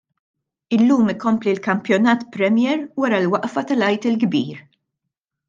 Illum ikompli l-kampjonat premier wara l-waqfa tal-Għid il-Kbir.